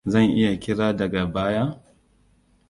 Zan iya kira daga baya?